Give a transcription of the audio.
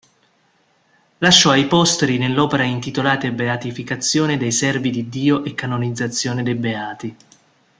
Lasciò ai posteri nell'opera intitolata Beatificazione dei Servi di Dio e canonizzazione dei Beati.